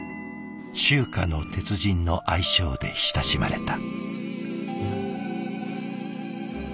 「中華の鉄人」の愛称で親しまれた。